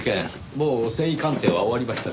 もう繊維鑑定は終わりましたか？